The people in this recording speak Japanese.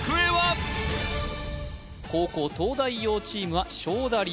後攻東大王チームは勝田り